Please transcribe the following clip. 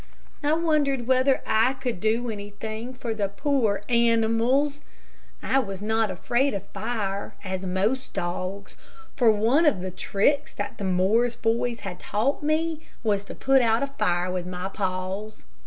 I wondered whether I could do anything for the poor animals. I was not afraid of fire, as most dogs, for one of the tricks that the Morris boys had taught me was to put out a fire with my paws.